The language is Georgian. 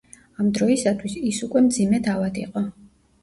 ამ დროისათვის ის უკვე მძიმედ ავად იყო.